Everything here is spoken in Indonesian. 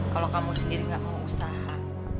kalau kamu sendiri gak mau usaha